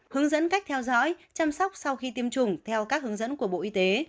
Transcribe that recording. hướng dẫn cách theo dõi chăm sóc sau khi tiêm chủng theo các hướng dẫn của bộ y tế